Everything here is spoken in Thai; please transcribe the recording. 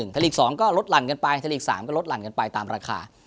ไทยลีก๒ก็ลดหลั่นกันไปไทยลีก๓ก็ลดหลั่นกันไปตามราคา